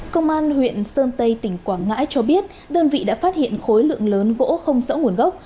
công an huyện sơn tây tỉnh quảng ngãi cho biết đơn vị đã phát hiện khối lượng lớn gỗ không rõ nguồn gốc